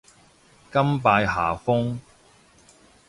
甘拜下風